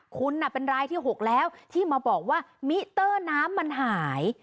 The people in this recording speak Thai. คุณเป็นรายที่๖แล้วที่มาบอกว่ามิเตอร์น้ำมันหาย